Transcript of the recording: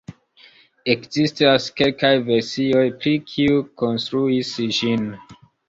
Ekzistas kelkaj versioj pri kiu konstruis ĝin.